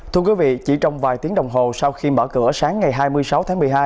thưa quý vị chỉ trong vài tiếng đồng hồ sau khi mở cửa sáng ngày hai mươi sáu tháng một mươi hai